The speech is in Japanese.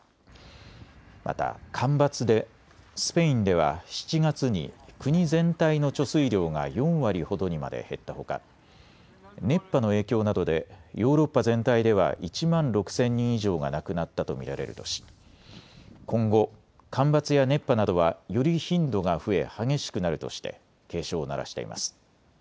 また干ばつでスペインでは７月に国全体の貯水量が４割ほどにまで減ったほか熱波の影響などでヨーロッパ全体では１万６０００人以上が亡くなったと見られるとし今後、干ばつや熱波などはより頻度が増え激しくなるとして警鐘を鳴らしています。